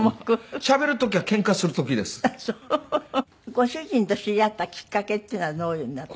ご主人と知り合ったきっかけっていうのはどういうのだったの？